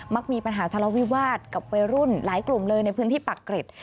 มักมีปัญหาทะเลาวิวาสกับวัยรุ่นหลายกลุ่มเลยในพื้นที่ปากเกร็ด